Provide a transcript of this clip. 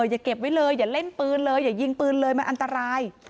อย่าเก็บไว้เลยอย่าเล่นปืนเลยอย่ายิงปืนเลยมันอันตราย